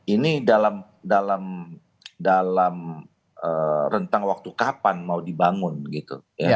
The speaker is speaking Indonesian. ini dalam rentang waktu kapan mau dibangun gitu